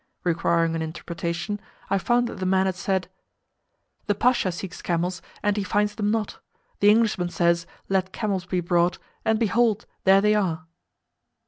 Requiring an interpretation, I found that the man had said, "The Pasha seeks camels, and he finds them not; the Englishman says, 'Let camels be brought,' and behold, there they are!"